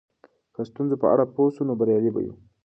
که د ستونزو په اړه پوه سو نو بریالي به یو.